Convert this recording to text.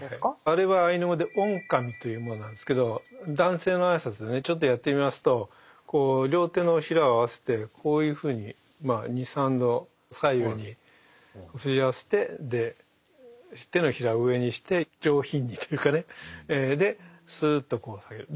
あれはアイヌ語でオンカミというものなんですけど男性の挨拶でねちょっとやってみますとこう両手のひらを合わせてこういうふうにまあ２３度左右にすり合わせてで手のひらを上にして上品にというかねですっとこう下げる。